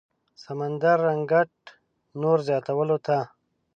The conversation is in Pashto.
سمندري رنګت نور زياتولو ته